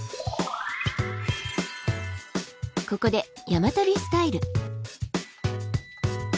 ここで「山旅スタイル」。